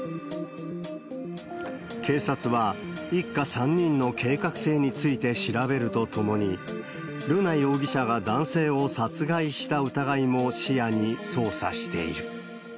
警察は、一家３人の計画性について調べるとともに、瑠奈容疑者が男性を殺害した疑いも視野に捜査している。